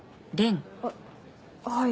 あっはい。